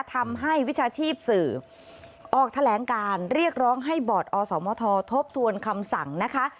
วิชาชีพสื่อออกแถลงการเรียกร้องให้บอร์ดอสมททบทวนคำสั่งนะคะ